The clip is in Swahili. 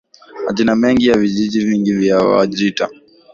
Majina mengi ya vijiji vingi vya Wajita